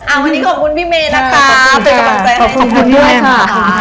วันนี้ขอบคุณพี่เมย์นะคะเป็นกำลังใจให้ทุกคนด้วยค่ะ